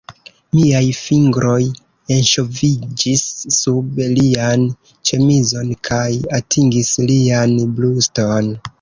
Miaj fingroj enŝoviĝis sub lian ĉemizon kaj atingis lian bruston.